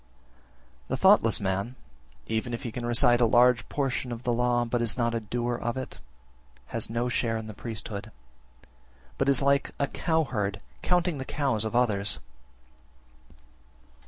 19. The thoughtless man, even if he can recite a large portion (of the law), but is not a doer of it, has no share in the priesthood, but is like a cowherd counting the cows of others.